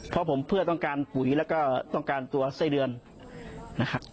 เพราะผมเพื่อต้องการปุ๋ยแล้วก็ต้องการตัวไส้เดือนนะครับ